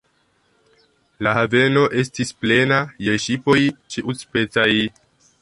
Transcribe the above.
La haveno estis plena je ŝipoj ĉiuspecaj.